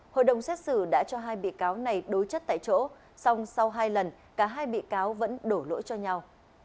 hội đồng xét xử đã cho hai bia cáo này đối chất tại chỗ xong sau hai lần cả hai bia cáo vẫn đổ lỗi cho nhau